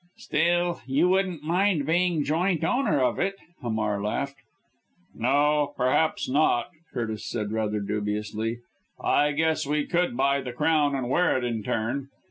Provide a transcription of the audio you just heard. "Still you wouldn't mind being joint owner of it," Hamar laughed." "No, perhaps not," Curtis said rather dubiously. "I guess we could buy the crown and wear it in turn.